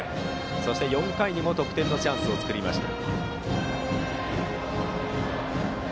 そして４回にも得点のチャンスを作りました。